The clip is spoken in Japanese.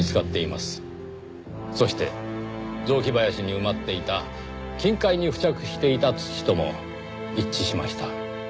そして雑木林に埋まっていた金塊に付着していた土とも一致しました。